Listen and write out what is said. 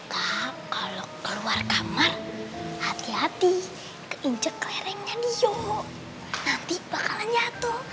tapi malah aku apaan sih jahat sama karyang jadi sepenuhnya